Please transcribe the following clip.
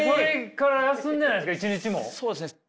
そうですね。